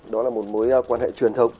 đó là một mối quan hệ truyền thống